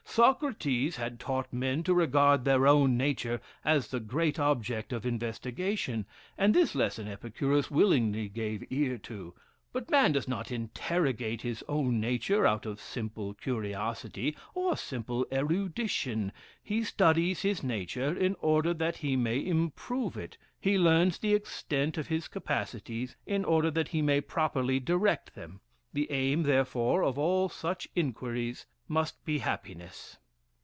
Socrates had taught men to regard their own nature as the great object of investigation; and this lesson Epicurus willingly gave ear to. But man does not interrogate his own nature out of simple curiosity, or simple erudition; he studies his nature in order that he may improve it; he learns the extent of his capacities, in order that he may properly direct them. The aim, therefore, of all such inquiries must be happiness."